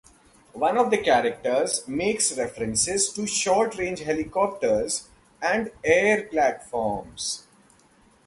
One of the characters makes references to short-range helicopters and "air platforms".